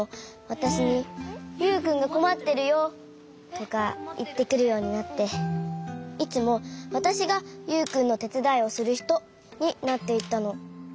わたしに「ユウくんがこまってるよ」とかいってくるようになっていつもわたしがユウくんのてつだいをするひとになっていったの。